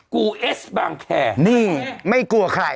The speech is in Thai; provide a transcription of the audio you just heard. กูเอสบางแคร์นี่ไม่กลัวใคร